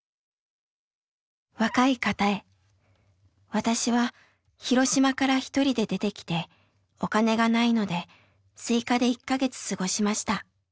「若い方へ私は広島から一人で出てきてお金がないのでスイカで１か月過ごしました。